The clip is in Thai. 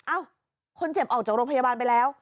เอ้าคนเจ็บออกจากโรงพยาบาลไปแล้ว